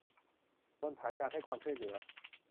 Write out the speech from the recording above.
บนฐานการให้ความช่วยเหลือ